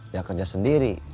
ya kerja sendiri